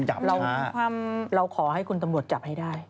เราขอให้คุณตำรวจจับให้ได้